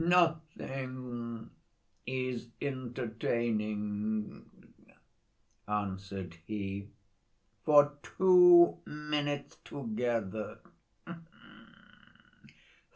"Nothing is entertaining," answered he, "for two minutes together.